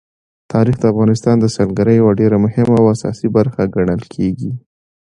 تاریخ د افغانستان د سیلګرۍ یوه ډېره مهمه او اساسي برخه ګڼل کېږي.